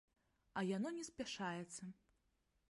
А яно не спяшаецца.